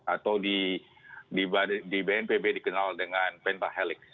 atau di bnpb dikenal dengan penta helix